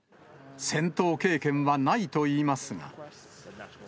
戦闘経験はないといいますが。